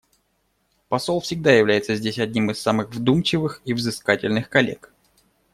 Посол всегда является здесь одним из самых вдумчивых и взыскательных коллег.